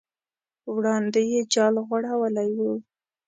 وړاندې یې جال غوړولی و.